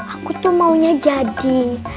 aku tuh maunya jadi